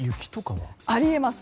あり得ます。